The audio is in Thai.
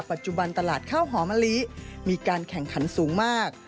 ปัจจุบันตลาดข้าวหอมะลิมีการแข่งขันสูงมาก